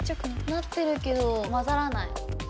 なってるけど混ざらない。